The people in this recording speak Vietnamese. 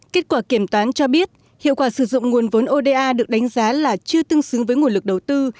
kết quả kiểm toán cho biết hiệu quả sử dụng nguồn vốn oda được đánh giá là chưa tương xứng với nguồn lực đầu tư